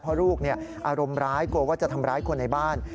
เพราะลูกอารมณ์ร้ายกลัวว่าจะทำร้ายคนในบ้าน